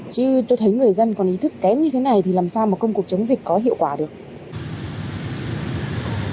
chứ tôi thấy người dân còn ý thức kém như thế này thì làm sao mà công cuộc chống dịch có hiệu quả được